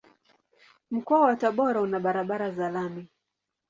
Mkoa wa Tabora una barabara za lami.